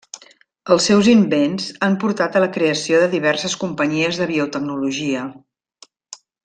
Els seus invents han portat a la creació de diverses companyies de biotecnologia.